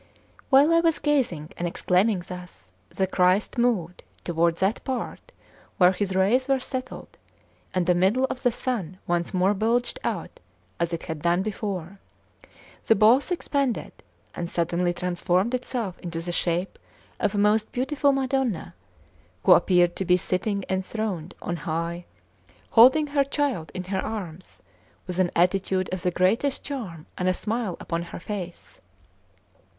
While I was gazing and exclaiming thus, the Christ moved toward that part where his rays were settled, and the middle of the sun once more bulged out as it had done before; the boss expanded, and suddenly transformed itself into the shape of a most beautiful Madonna, who appeared to be sitting enthroned on high, holding her child in her arms with an attitude of the greatest charm and a smile upon her face.